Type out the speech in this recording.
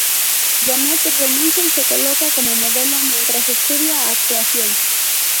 Janet renuncia y se coloca como modelo mientras estudia actuación.